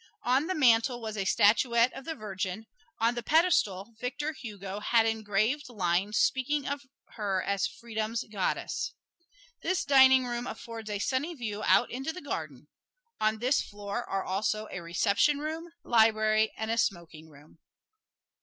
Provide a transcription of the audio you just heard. On the mantel was a statuette of the Virgin; on the pedestal Victor Hugo had engraved lines speaking of her as "Freedom's Goddess." This dining room affords a sunny view out into the garden; on this floor are also a reception room, library and a smoking room.